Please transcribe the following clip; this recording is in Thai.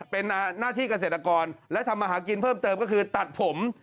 เป็นหน้าที่เกษตรกรและทำมาหากินเพิ่มเติมก็คือตัดผม